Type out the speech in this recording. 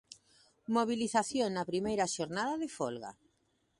Mobilización na primeira xornada de folga.